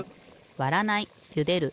わらないゆでる